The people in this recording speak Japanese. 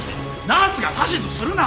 ナースが指図するな！